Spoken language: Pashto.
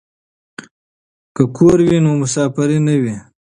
که کور وي نو مسافري نه وي.